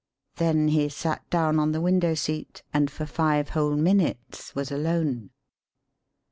Then he sat down on the window seat and for five whole minutes was alone.